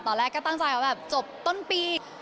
ตอนแรกก็ตั้งใจว่าแบบจบต้นปี